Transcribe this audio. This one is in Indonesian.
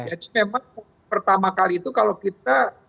jadi memang pertama kali itu kalau kita